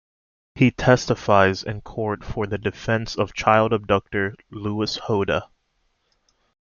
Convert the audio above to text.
He testifies in court for the defense of child abductor Lewis Hoda.